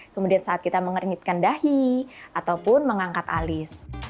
kemudian saat kita mengeringitkan dahi ataupun mengangkat alis